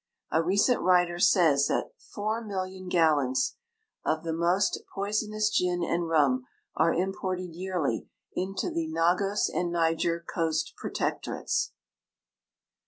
A recent writer says that four million gallons of the most jtoisonous gin and rum arc im ported yearly into the Nagos and Niger coast protectorates.